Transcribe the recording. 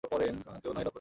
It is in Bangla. কেউ নয়ে দর ধরতে ইচ্ছুক?